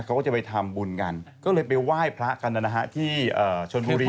เขาก็จะไปทำบุญกันก็เลยไปไหว้พระกันนะฮะที่ชนบุรี